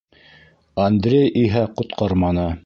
Андрей иһә ҡотҡарманы.